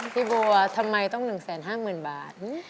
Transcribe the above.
พี่บัวทำไมต้อง๑๕๐๐๐บาท